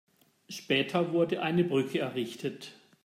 Später wurde eine Brücke errichtet.